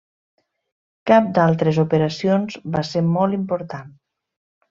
Cap d'altres operacions va ser molt important.